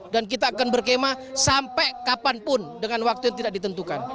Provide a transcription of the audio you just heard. dan kita akan berkemah sampai kapanpun dengan waktu yang tidak ditentukan